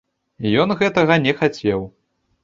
Ён гэтага не хацеў.